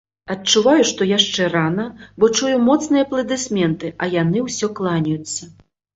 Адчуваю, што яшчэ рана, бо чую моцныя апладысменты, а яны ўсё кланяюцца.